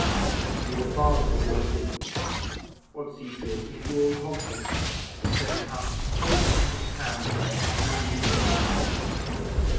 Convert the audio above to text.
'There's your Father at the Forge. What's he talking to old Hobden about?' said Puck, opening his hand with three leaves in it.